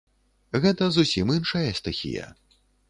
Гэта зусім іншая стыхія.